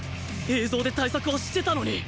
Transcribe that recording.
映像で対策はしてたのに！